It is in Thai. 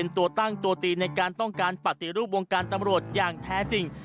ตัวตีในการต้องการปรับตีรูปวงการตำรวจอย่างแท้จริง